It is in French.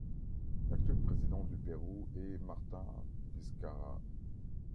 L'actuel président du Pérou est Martín Vizcarra.